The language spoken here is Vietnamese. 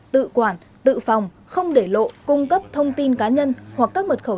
tự quản tự phòng không để lộ cung cấp thông tin cá nhân hoặc các mật khẩu